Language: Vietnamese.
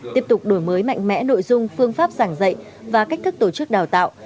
tiếp tục đổi mới mạnh mẽ nội dung phương pháp giảng dạy và cách thức tổ chức đào tạo